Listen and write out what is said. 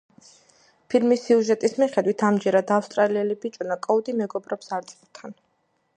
ფილმის სიუჟეტის მიხედვით, ამჯერად, ავსტრალიელი ბიჭუნა კოუდი მეგობრობს არწივთან.